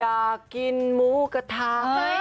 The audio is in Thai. อยากกินหมูกระทะ